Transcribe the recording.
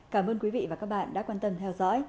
cảm ơn quý vị và các bạn đã quan tâm theo dõi